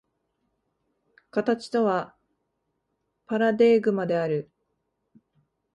形とはパラデーグマである。